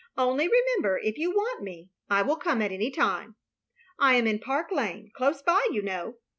Only remember, if you want me, I will come at any time. I am in Park Lane, close by, you know.